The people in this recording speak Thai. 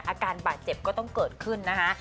อาการบาดเจ็บก็ต้องเกิดขึ้นนะคะ